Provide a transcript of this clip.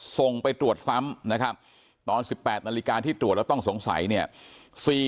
ส่งไปตรวจซ้ำนะครับตอน๑๘นาฬิกาที่ตรวจแล้วต้องสงสัยเนี่ย